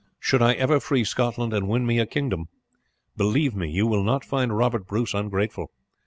Should I ever free Scotland and win me a kingdom, believe me you will not find Robert Bruce ungrateful.